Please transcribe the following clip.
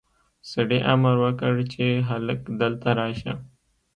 سړي امر وکړ چې هلک دلته راشه.